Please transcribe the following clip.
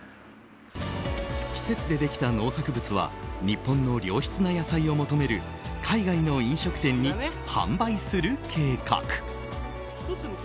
施設でできた農作物は日本の良質な野菜を求める海外の飲食店に販売する計画。